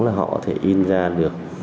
là họ có thể in ra được